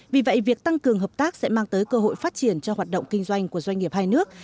vì vậy việc tăng cường hợp tác sẽ mang tới cơ hội phát triển cho hoạt động kinh doanh của doanh nghiệp hai nước